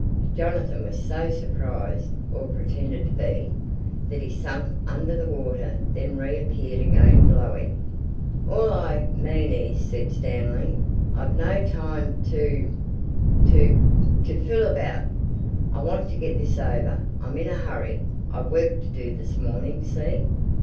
Jonathan was so surprised—or pretended to be—that he sank under the water, then reappeared again blowing. "All I mean is," said Stanley, "I've no time to—to—to fool about. I want to get this over. I'm in a hurry. I've work to do this morning—see?"